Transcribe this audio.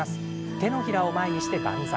手のひらを前にして万歳。